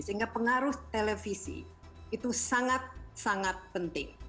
sehingga pengaruh televisi itu sangat sangat penting